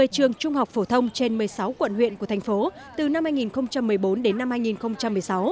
một mươi trường trung học phổ thông trên một mươi sáu quận huyện của thành phố từ năm hai nghìn một mươi bốn đến năm hai nghìn một mươi sáu